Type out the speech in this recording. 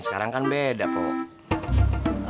sekarang kan beda pok